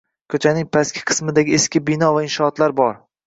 Koʻchaning pastki qismidagi eski bino va inshootlar bor